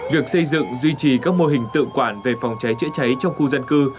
việc xây dựng duy trì các mô hình tự quản về phòng cháy chữa cháy trong khu dân cư